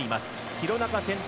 廣中が先頭。